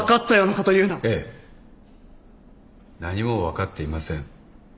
ええ何も分かっていません。